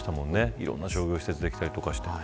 いろんな商業施設ができたりして。